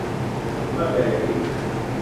Ve ma berri